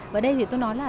và đây thì tôi nói là